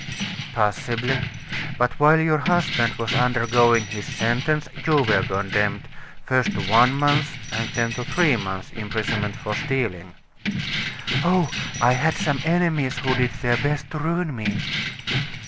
"Possibly. But while your husband was undergoing his sentence, you were condemned, first to one month's and then to three months' imprisonment for stealing." "Oh, I had some enemies who did their best to ruin me."